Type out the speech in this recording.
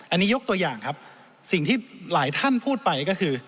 อันนี้ยกตัวอย่างครับสิ่งที่หลายท่านพูดไปก็คือ